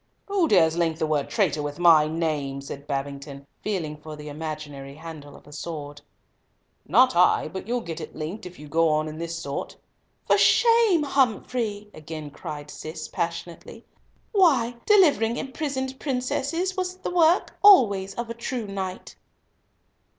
"Who dares link the word traitor with my name?" said Babington, feeling for the imaginary handle of a sword. "Not I; but you'll get it linked if you go on in this sort." "For shame, Humfrey," again cried Cis, passionately. "Why, delivering imprisoned princesses always was the work of a true knight."